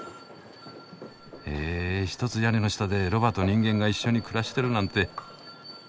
へえ一つ屋根の下でロバと人間が一緒に暮らしてるなんて。